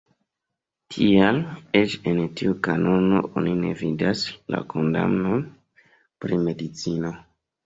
Tial, eĉ en tiu kanono oni ne vidas la kondamnon pri medicino.